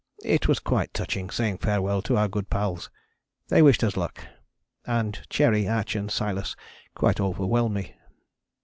It was quite touching saying farewell to our good pals they wished us luck, and Cherry, Atch and Silas quite overwhelmed me.